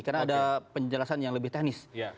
karena ada penjelasan yang lebih teknis